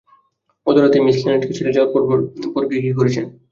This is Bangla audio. গত রাতে মিস লিনেটকে ছেড়ে যাওয়ার পর কী কী করেছেন?